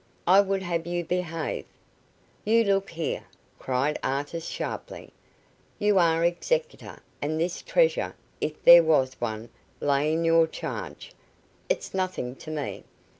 "I would have you behave " "You look here," cried Artis, sharply. "You are executor, and this treasure, if there was one, lay in your charge. It's nothing to me.